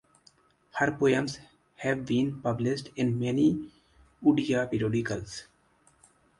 Her poems have been published in many Odia periodicals.